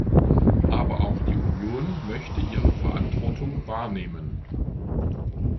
Aber auch die Union möchte ihre Verantwortung wahrnehmen.